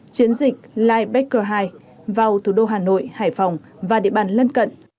chiến dịch light baker hai vào thủ đô hà nội hải phòng và địa bàn lân cận